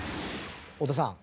太田さん